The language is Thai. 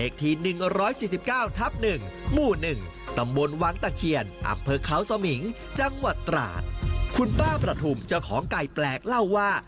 คุณป้าประทุมเจ้าของไก่แปลกเล่าว่า